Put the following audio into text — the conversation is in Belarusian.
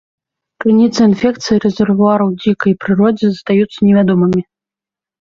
Крыніца інфекцыі і рэзервуар у дзікай прыродзе застаюцца невядомымі.